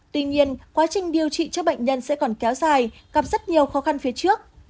tuy nhiên quá trình điều trị cho bệnh nhân sẽ còn kéo dài gặp rất nhiều khó khăn phía trước